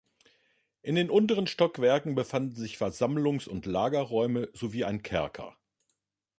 In den unteren Stockwerken befanden sich Versammlungs- und Lagerräume sowie ein Kerker.